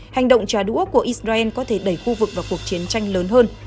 hành động trả đũa của israel có thể đẩy khu vực vào cuộc chiến tranh lớn hơn